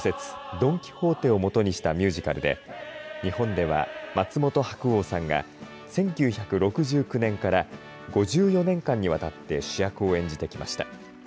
ドン・キホーテをもとにしたミュージカルで日本では、松本白鸚さんが１９６９年から５４年間にわたって主役を演じてきました。